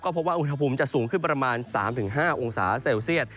พบว่าอุณหภูมิจะสูงขึ้นประมาณ๓๕องศาเซลเซียต